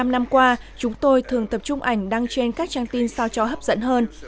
một mươi năm năm qua chúng tôi thường tập trung ảnh đăng trên các trang tin sao cho hấp dẫn hơn